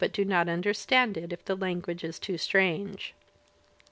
do not understand it if the language is too strange.